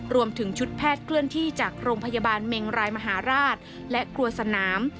รวมถึงชุดแพทย์เคลื่อนที่จากโรงพยาบาลเมงรายมหาราชและครัวสนาม